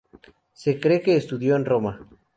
Se cree que estudió en Roma.